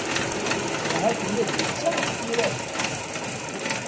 Ahat ula d netta ira-k.